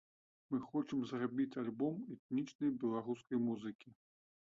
Мы хочам зрабіць альбом этнічнай беларускай музыкі.